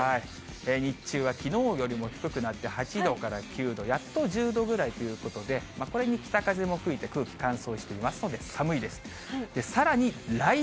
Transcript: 日中はきのうよりも低くなって８度から９度、やっと１０度ぐらいということで、これに北風も吹いて、空気乾燥していますので、寒いです。